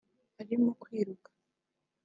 ari mu kwiruka